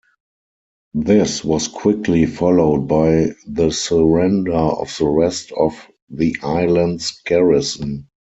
This was quickly followed by the surrender of the rest of the island's garrison.